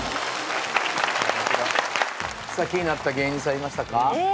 気になった芸人さんいましたか？